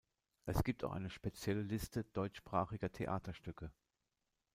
Es gibt auch eine spezielle Liste deutschsprachiger Theaterstücke.